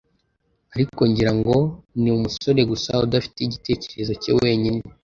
ariko ngira ngo ni umusore gusa udafite igitekerezo cye wenyine.